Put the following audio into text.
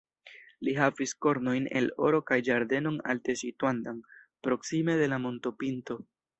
Li havis kornojn el oro kaj ĝardenon alte situantan, proksime de la montopinto.